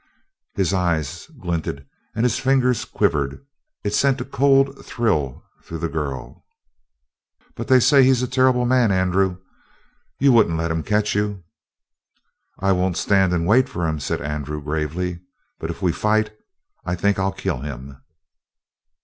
His eyes glinted and his fingers quivered. It sent a cold thrill through the girl. "But they say he's a terrible man, Andrew. You wouldn't let him catch you?" "I won't stand and wait for him," said Andrew gravely. "But if we fight I think I'll kill him."